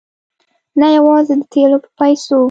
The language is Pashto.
نه یوازې د تېلو په پیسو.